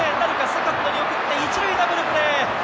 セカンドに送って１塁、ダブルプレー。